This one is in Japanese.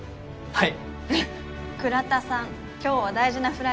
はい！